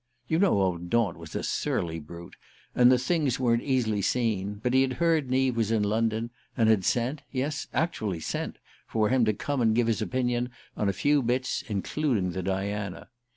You know old Daunt was a surly brute, and the things weren't easily seen; but he had heard Neave was in London, and had sent yes, actually sent! for him to come and give his opinion on a few bits, including the Diana.